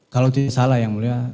kalau tidak salah yang mulia